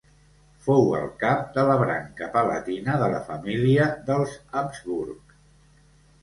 Fou el cap de la branca palatina de la família dels Habsburg.